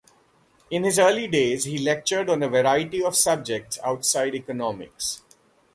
In his early days he lectured on a variety of subjects outside economics.